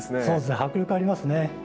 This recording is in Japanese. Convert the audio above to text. そうですね迫力ありますね。